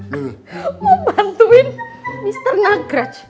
mau bantuin mr nagraj